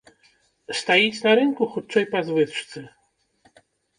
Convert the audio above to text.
Стаіць на рынку, хутчэй, па звычцы.